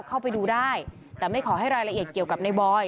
เข้าไปดูได้แต่ไม่ขอให้รายละเอียดเกี่ยวกับในบอย